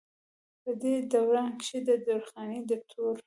پۀ دې دوران کښې د درخانۍ د ترور